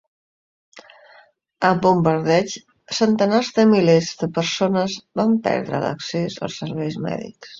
En bombardeigs, centenars de milers de persones van perdre l'accés als serveis mèdics.